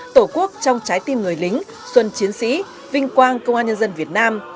tổ quốc trong trái tim người lính xuân chiến sĩ vinh quang công an nhân dân việt nam